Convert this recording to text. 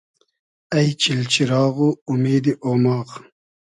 اݷ چیل چیراغ و اومیدی اۉماغ